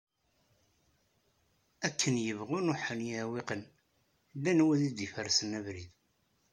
Akken yebɣu nuḥen yiɛewwiqen, llan wid i d-iferrsen abrid.